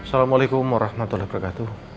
assalamualaikum warahmatullahi wabarakatuh